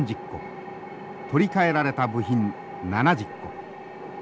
取り替えられた部品７０個。